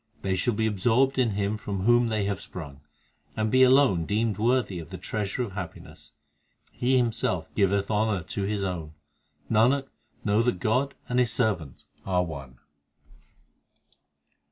They shall be absorbed in Him from whom they have sprung, And be alone deemed worthy of the treasure of happiness. He Himself giveth honour to His own ; Nanak, know that God and His servant are one.